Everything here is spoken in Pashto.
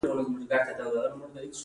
دوی د دې کار لپاره تبلیغاتي دستګاوې کاروي